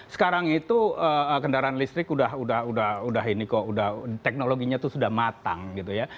sekarang itu kendaraan listrik udah ini kok udah teknologinya itu sudah matang gitu ya